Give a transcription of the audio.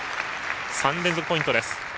３連続ポイントです。